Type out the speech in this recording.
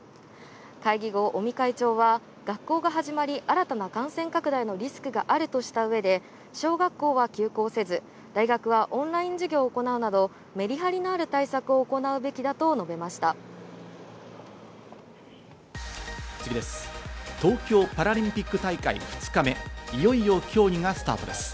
会議後、尾身会長が学校が始まり、新たな感染拡大のリスクがあるとした上で、小学校は休校せず大学はオンライン授業を行うなどメリハリのある対策を行うべきだと述べ東京パラリンピック大会２日目、いよいよ競技がスタートです。